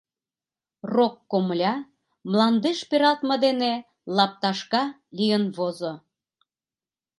Рок комля мландеш пералтме дене лапташка лийын возо.